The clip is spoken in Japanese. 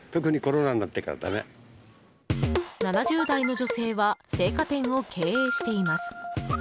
７０代の女性は青果店を経営しています。